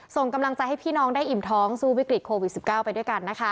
ส่งกำลังใจให้พี่น้องได้อิ่มท้องสู้วิกฤตโควิด๑๙ไปด้วยกันนะคะ